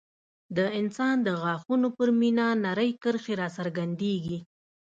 د انسان د غاښونو پر مینا نرۍ کرښې راڅرګندېږي.